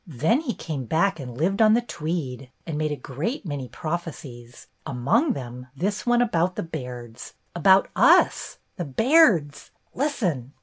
Then he came back and lived on the Tweed, and made a great many proph ecies, among them this one about the Bairds, about Us, The Bairds! Listen!"